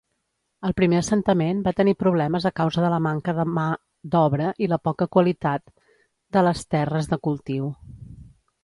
El primer assentament va tenir problemes a causa de la manca de mà d'obra i la poca qualitat de les terres de cultiu.